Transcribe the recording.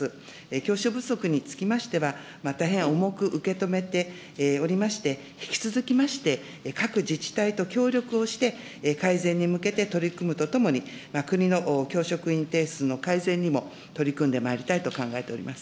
教師不足につきましては、大変重く受け止めておりまして、引き続きまして、各自治体と協力をして、改善に向けて取り組むとともに、国の教職員定数の改善にも取り組んでまいりたいと考えております。